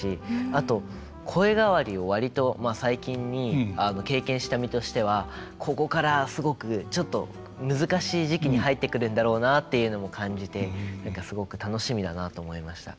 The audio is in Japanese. あと声変わりを割と最近に経験した身としてはここからすごくちょっと難しい時期に入ってくるんだろうなっていうのも感じて何かすごく楽しみだなと思いました。